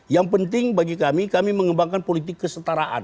yang penting bagi kami kami mengembangkan politik kesetaraan